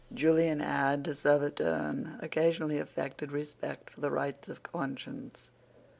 Julian had, to serve a turn, occasionally affected respect for the rights of conscience.